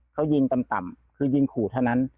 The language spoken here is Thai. เขายิงต่ำคือยิงขู่เท่านั้น